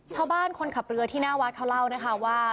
คนขับเรือที่หน้าวัดเขาเล่านะคะว่า